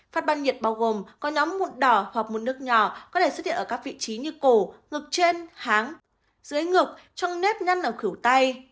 phát ban nhiệt bao gồm có nhóm mụn đỏ hoặc mụn nước nhỏ có thể xuất hiện ở các vị trí như cổ ngực trên háng dưới ngực trong nếp nhăn ở khủ tay